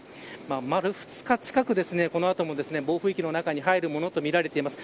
丸２日近く暴風域の中に入るものとみられています。